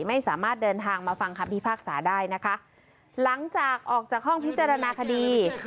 ไม่สามารถเดินทางมาฟังคำพิพากษาได้นะคะหลังจากออกจากห้องพิจารณาคดี